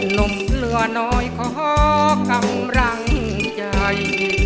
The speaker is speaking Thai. หนุ่มเหลือน้อยขอกำลังใจ